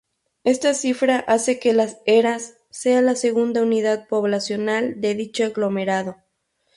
Esta cifra hace que Las Heras sea la segunda unidad poblacional de dicho aglomerado.